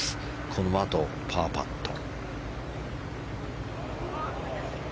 このあとパーパット。